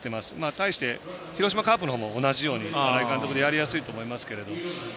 対して、広島カープの方も新井監督、やりやすいと思いますけれど。